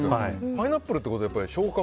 パイナップルってことは消化